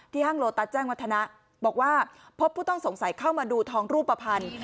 ห้างโลตัสแจ้งวัฒนะบอกว่าพบผู้ต้องสงสัยเข้ามาดูทองรูปภัณฑ์